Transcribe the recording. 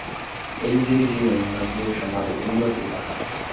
Ele dirigiu em um navio chamado Bibavica.